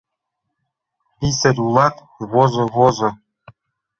Писарь улат, возо-возо.